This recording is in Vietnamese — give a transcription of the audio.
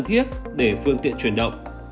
đơn thiết để phương tiện chuyển động